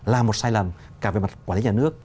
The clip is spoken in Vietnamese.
là một sai lầm cả về mặt quản lý nhà nước